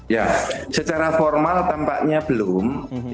ya secara formal tampaknya belum